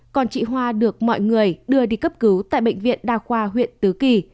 còn chị hoa được mọi người đưa đi cấp cứu tại bệnh viện đa khoa huyện tứ kỳ